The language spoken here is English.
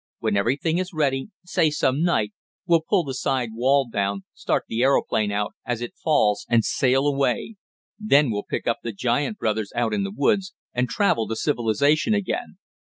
When everything is ready, say some night, we'll pull the side wall down, start the aeroplane out as it falls, and sail away. Then we'll pick up the giant brothers out in the woods, and travel to civilization again."